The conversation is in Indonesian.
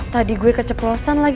tadi gue keceplosan lagi nih yaa